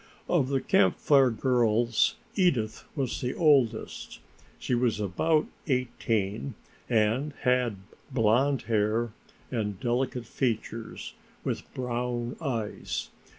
Of the Camp Fire Girls Edith was the oldest; she was about eighteen and had blonde hair and delicate features, with brown eyes.